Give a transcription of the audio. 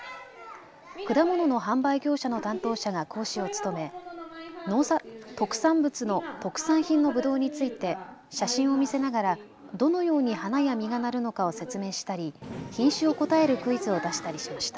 果物の販売業者の担当者が講師を務め、特産品のぶどうについて写真を見せながらどのように花や実がなるのかを説明したり品種を答えるクイズを出したりしました。